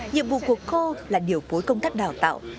nhiệm vụ của cô là điều phối công tác đào tạo